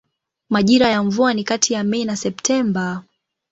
Majira ya mvua ni kati ya Mei na Septemba.